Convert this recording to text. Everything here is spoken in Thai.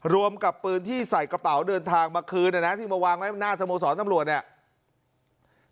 รวมกับปืนที่ใส่กระเป๋าเดินทางมาคืนนะนะที่มาวางไว้หน้าสโมสรตำรวจเนี่ย